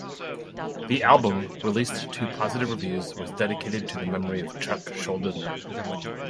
The album, released to positive reviews, was dedicated to the memory of Chuck Schuldiner.